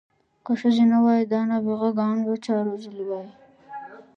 که ښځې نه وای دا نابغه ګان به چا روزلي وی.